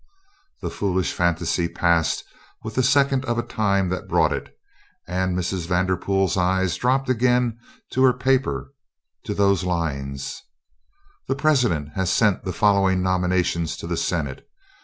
The foolish phantasy passed with the second of time that brought it, and Mrs. Vanderpool's eyes dropped again to her paper, to those lines, "The President has sent the following nominations to the Senate